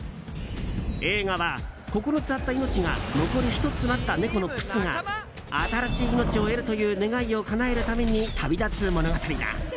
映画は、９つあった命が残り１つとなった猫のプスが新しく命を得るという願いをかなえるために旅立つ物語だ。